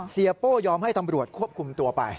โป้ยอมให้ตำรวจควบคุมตัวไป